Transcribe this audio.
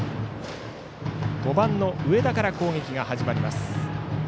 ５番の上田から攻撃が始まります。